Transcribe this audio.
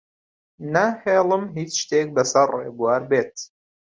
ناهێڵم هیچ شتێک بەسەر ڕێبوار بێت.